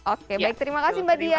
oke baik terima kasih mbak dia